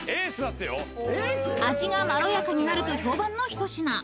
［味がまろやかになると評判の一品］